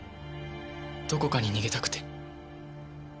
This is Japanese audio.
どこかに逃げたくて。